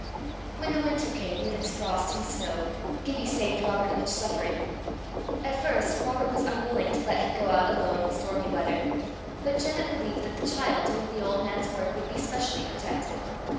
When the winter came, with its frost and snow, Gibbie saved Robert much suffering. At first Robert was unwilling to let him go out alone in stormy weather; but Janet believed that the child doing the old man's work would be specially protected.